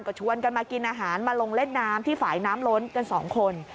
ก็ชวนกันมากินอาหารมาลงเล่นน้ำที่ฝ่ายน้ำล้นกันสองคน